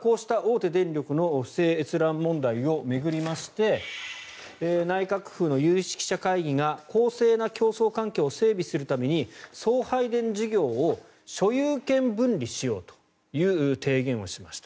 こうした大手電力の不正閲覧問題を巡りまして内閣府の有識者会議が公正な競争環境を整備するために送配電事業を所有権分離しようという提言をしました。